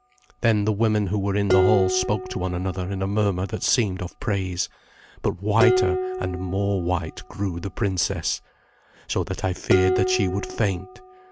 Then the women who were in the hall spoke to one another in a murmur that seemed of praise; but whiter and more white grew the princess, so that I feared that she would faint.